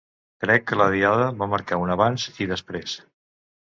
Crec que la Diada va marcar un abans i després.